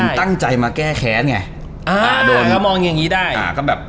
มันตั้งใจมาแก้แค้นไงอ่าโดนถ้ามองอย่างงี้ได้อ่าก็แบบ